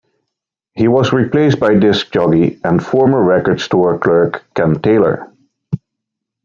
He was replaced by disc jockey and former record store clerk Ken Taylor.